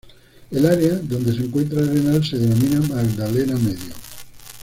El área donde se encuentra Arenal, se denomina Magdalena Medio.